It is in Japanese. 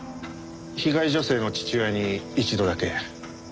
被害女性の父親に一度だけ。